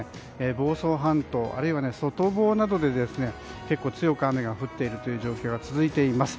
房総半島、あるいは外房などで結構強く雨が降っている状況が続いています。